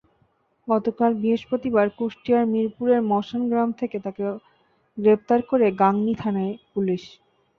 গতকাল বৃহস্পতিবার কুষ্টিয়ার মিরপুরের মশান গ্রাম থেকে তাঁকে গ্রেপ্তার করে গাংনী থানা-পুলিশ।